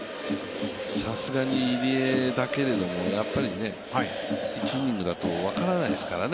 さすがに入江だけれども、やっぱり１イニングだと分からないですからね。